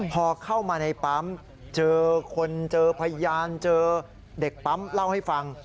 พอเข้ามาในปั๊มเจอคนเจอพยานเจอเด็กปั๊มเล่าให้ฟัง